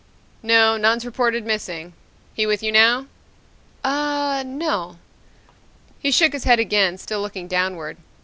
"No, none's reported missing. He with you now?" "Ah no." He shook his head again, still looking downward.